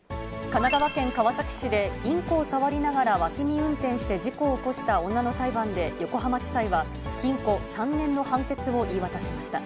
神奈川県川崎市でインコを触りながら脇見運転して事故を起こした女の裁判で横浜地裁は、禁錮３年の判決を言い渡しました。